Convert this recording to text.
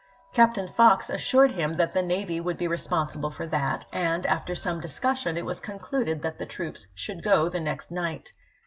Captain Fox assured him that the navy would be responsible for that ; and, after some discussion, it was concluded that the troops should go the next night.